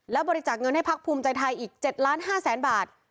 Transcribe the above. และบริจักษ์เงินให้ภักษ์ภูมิใจไทยอีก๗๕๐๐๐๐๐บาท